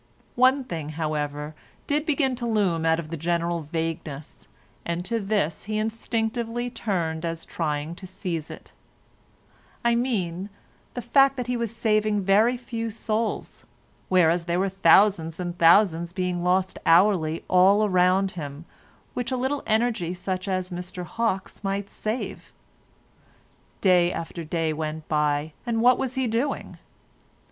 One thing, however, did begin to loom out of the general vagueness, and to this he instinctively turned as trying to seize it—I mean, the fact that he was saving very few souls, whereas there were thousands and thousands being lost hourly all around him which a little energy such as Mr Hawke's might save. Day after day went by, and what was he doing?